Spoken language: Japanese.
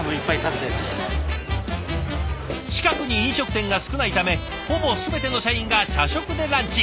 近くに飲食店が少ないためほぼ全ての社員が社食でランチ。